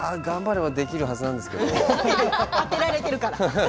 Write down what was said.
頑張ればできるはずなんですけれども。